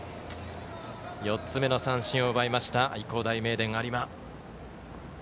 ４つめの三振を奪いました愛工大名電、有馬。